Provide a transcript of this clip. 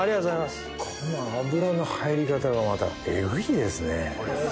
この脂の入り方がまたエグいですね。